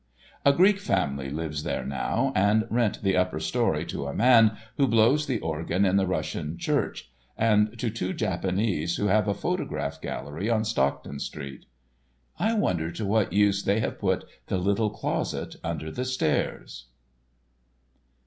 A Greek family lives there now, and rent the upper story to a man who blows the organ in the Russian Church, and to two Japanese, who have a photograph gallery on Stockton street. I wonder to what use they have put the little closet under the stairs?